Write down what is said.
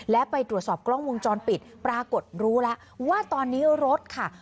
และไปตรวจสอบกล้องวงจรปิดปรากฏรู้แล้วว่าตอนนี้รถค่ะ